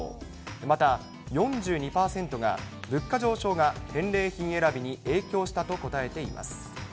また４２％が、物価上昇が返戻品選びに影響したと答えています。